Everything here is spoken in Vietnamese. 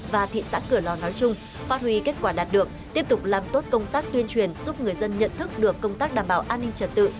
và thị xã cửa lò nói chung phát huy kết quả đạt được tiếp tục làm tốt công tác tuyên truyền giúp người dân nhận thức được công tác đảm bảo an ninh trật tự